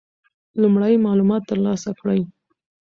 لومړی معلومات ترلاسه کړئ.